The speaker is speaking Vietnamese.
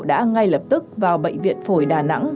đã ngay lập tức vào bệnh viện phổi đà nẵng